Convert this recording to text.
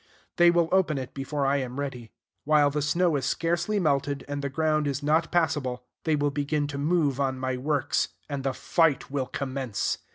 They will open it before I am ready: while the snow is scarcely melted, and the ground is not passable, they will begin to move on my works; and the fight will commence.